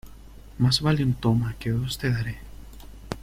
Más vale un "toma" que dos "te daré".